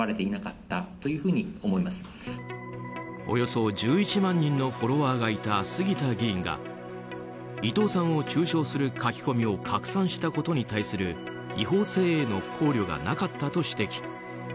およそ１１万人のフォロワーがいた杉田議員が伊藤さんを中傷する書き込みを拡散したことに対する違法性への考慮がなかったと指摘。